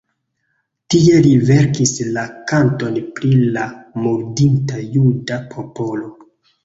Tie li verkis la "Kanton pri la murdita juda popolo".